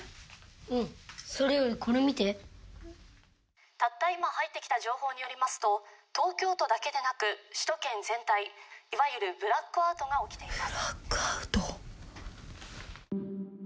うんそれよりこれ見てたった今入ってきた情報によりますと東京都だけでなく首都圏全体いわゆるブラックアウトが起きています